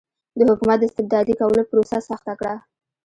د حکومت د استبدادي کولو پروسه سخته کړه.